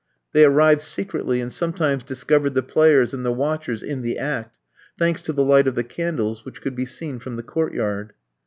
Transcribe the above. They arrived secretly, and sometimes discovered the players and the watchers in the act thanks to the light of the candles, which could be seen from the court yard.